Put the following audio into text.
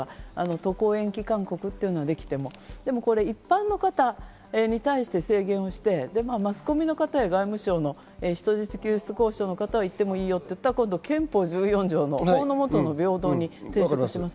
渡航延期勧告はできても、一般の方に対して制限をして、マスコミの方や外務省の方、人質交渉に行ってもいいよといったら憲法４４条の法のもとの平等に反します。